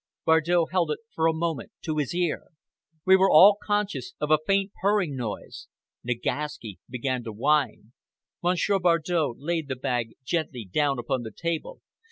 Bardow held it for a moment to his ear. We were all conscious of a faint purring noise. Nagaski began to whine. Monsieur Bardow laid the bag gently down upon the table.